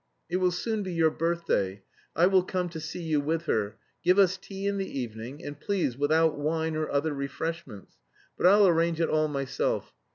It will soon be your birthday; I will come to see you with her. Give us tea in the evening, and please without wine or other refreshments, but I'll arrange it all myself.